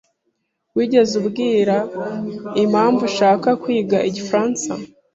Wigeze ubwira impamvu ushaka kwiga igifaransa?